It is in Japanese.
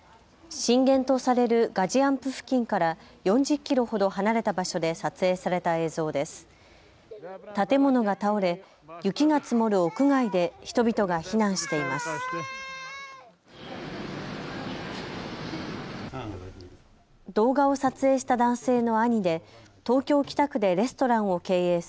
震源とされるガジアンプ付近から４０キロほど離れた場所で撮影された映像です。